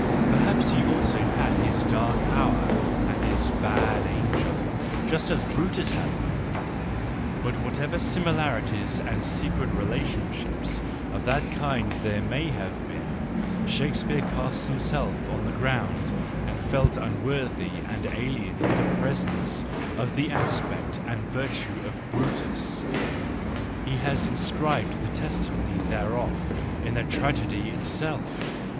Perhaps he also had i3 2 the JOYFUL WISDOM, II his dark hour and his bad angel, just as Brutus had them!—But whatever similarities and secret re¬ lationships of that kind there may have been, Shakespeare cast himself on the ground and felt unworthy and alien in presence of the aspect and virtue of Bmtus:—he has inscribed the testimony thereof in the tragedy itself.